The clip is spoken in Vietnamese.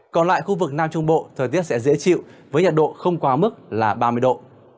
còn lại khu vực nam trung bộ thời tiết sẽ dễ chịu với nhiệt độ không quá mức là ba mươi độ